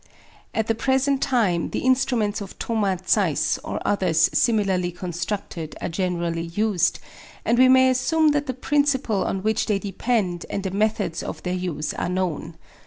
At the present time the instruments of Thoma Zeiss or others similarly constructed are generally used; and we may assume that the principle on which they depend and the methods of their use are known.